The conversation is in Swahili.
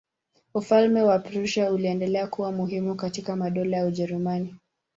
Ufalme wa Prussia uliendelea kuwa muhimu kati ya madola ya Ujerumani.